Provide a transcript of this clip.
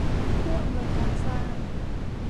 ผู้อำนวยการสร้าง